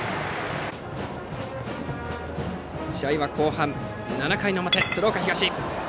試合は後半、７回の表、鶴岡東。